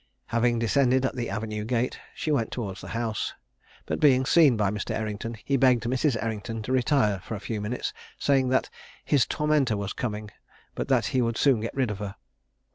Having descended at the avenue gate, she went towards the house, but being seen by Mr. Errington, he begged Mrs. Errington to retire for a few minutes, saying that "his tormentor was coming, but that he would soon get rid of her."